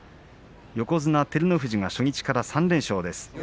横綱照ノ富士が初日から３連勝です。